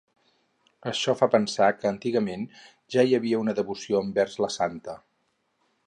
Això fa pensar que antigament ja hi havia una devoció envers la Santa.